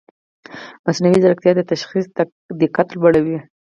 مصنوعي ځیرکتیا د تشخیص دقت لوړوي.